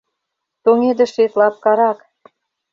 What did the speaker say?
Тоҥедышет лапкарак.